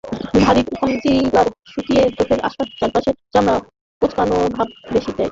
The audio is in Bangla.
ভারী কনসিলার শুকিয়ে চোখের চারপাশের চামড়ার কোঁচকানো ভাব আরও বাড়িয়ে দেয়।